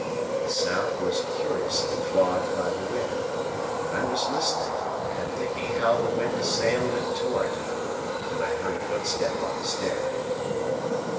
The sound was curiously flawed by the wind; and I was listening, and thinking how the wind assailed and tore it, when I heard a footstep on the stair.